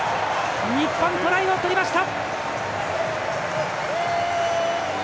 日本、トライを取りました！